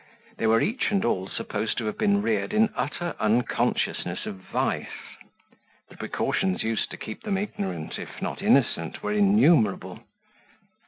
They were each and all supposed to have been reared in utter unconsciousness of vice. The precautions used to keep them ignorant, if not innocent, were innumerable.